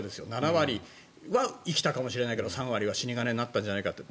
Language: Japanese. ７割は生きたかもしれないけど３割は死に金になったんじゃないかと。